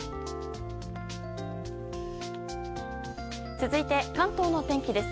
続いて、関東の天気です。